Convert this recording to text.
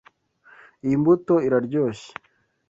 Iyi mbuto iraryoshye.